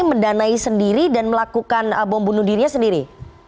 mendanai sendiri dan melakukan bom bunuh dirinya sendiri